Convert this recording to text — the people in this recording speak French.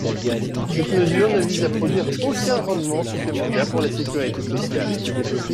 Cette mesure ne vise à produire aucun rendement supplémentaire pour la Sécurité sociale.